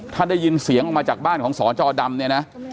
ถ้าได้ยินเสียงออกมาจากบ้านของสจดำเนี่ยนะ